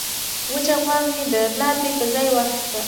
وچه غوا مې د بلاربې په ځای واخیسته.